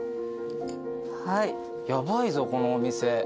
ヤバいぞこのお店。